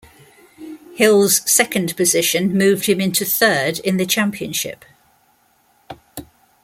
Hill's second position moved him into third in the championship.